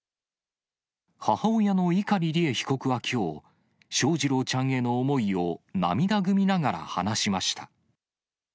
母親の碇利恵被告はきょう、翔士郎ちゃんへの思いを、涙ぐみながら話しました。